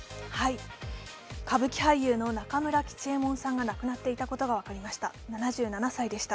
歌舞伎俳優の中村吉右衛門さんが亡くなっていたことが分かりました。